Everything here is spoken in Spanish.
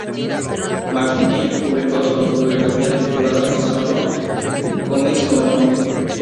Martinelli publicó su autobiografía, titulada "Sono come sono.